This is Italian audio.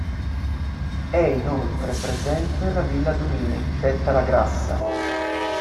È, inoltre, presente la Villa Durini, detta "la Grassa".